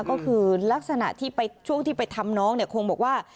ก็คือลักษณะที่ช่วงที่ไปทำน้องเนี่ยคงบอกว่า